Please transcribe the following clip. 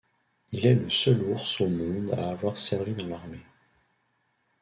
Il est le seul ours au monde à avoir servi dans l'armée.